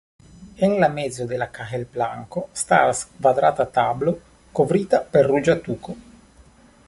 En la mezo de la kahelplanko staras kvadrata tablo kovrita per ruĝa tuko.